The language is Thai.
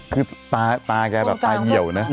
คือปลาแกน่ะแหลวนะ